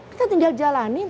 kita tinggal jalanin